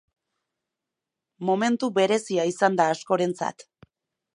Momentu berezia izan da askorentzat.